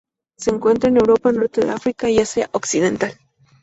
Se encuentra en Europa, Norte de África y Asia Occidental.